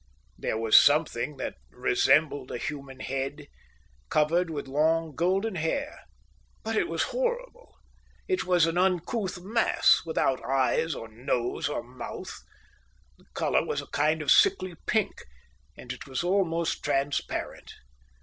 There was something that resembled a human head, covered with long golden hair, but it was horrible; it was an uncouth mass, without eyes or nose or mouth. The colour was a kind of sickly pink, and it was almost transparent.